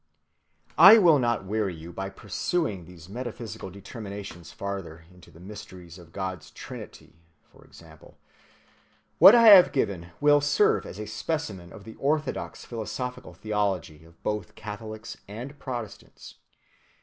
I will not weary you by pursuing these metaphysical determinations farther, into the mysteries of God's Trinity, for example. What I have given will serve as a specimen of the orthodox philosophical theology of both Catholics and Protestants.